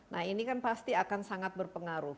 nah ini kan pasti akan sangat berpengaruh